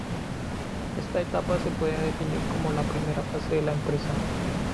Esta etapa se puede definir como la primera fase de la empresa.